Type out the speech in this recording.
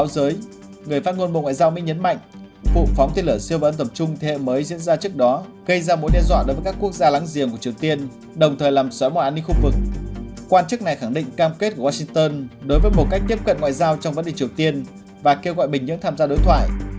đồng thời làm xóa mọi an ninh khu vực quan chức này khẳng định cam kết của washington đối với một cách tiếp cận ngoại giao trong vấn đề triều tiên và kêu gọi bình nhưỡng tham gia đối thoại